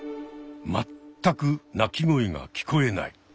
全く鳴き声が聞こえない。